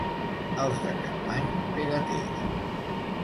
Els de Capmany, pegaters.